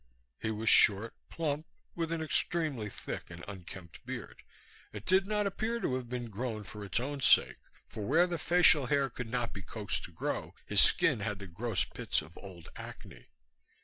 He was short, plump, with an extremely thick and unkempt beard. It did not appear to have been grown for its own sake, for where the facial hair could not be coaxed to grow his skin had the gross pits of old acne.